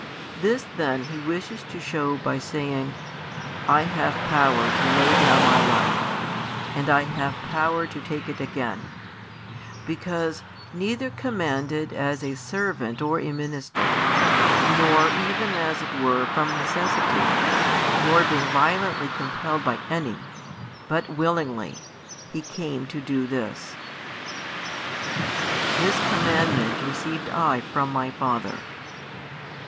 This then He wishes to show by saying: I have power to lay down |93 My life, and I have power to take it again: because, neither commanded as a servant or a minister, nor even as it were from necessity, nor being violently compelled by any, but willingly, He came to do this. This commandment received I from My Father.